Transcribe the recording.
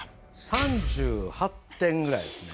３８点ぐらいですね。